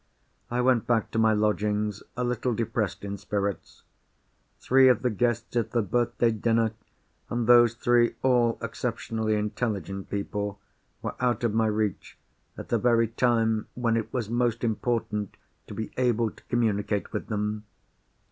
I went back to my lodgings a little depressed in spirits. Three of the guests at the birthday dinner—and those three all exceptionally intelligent people—were out of my reach, at the very time when it was most important to be able to communicate with them.